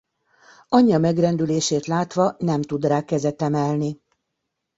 Anyja megrendülését látva nem tud rá kezet emelni.